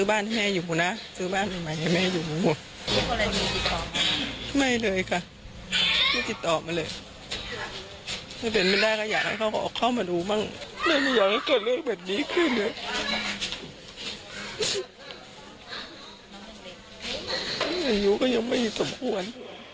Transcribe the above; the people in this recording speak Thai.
อายุก็ยังไม่อยู่สมควร